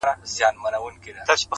زارۍ،